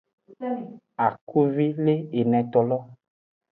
Akuvi le enetolo.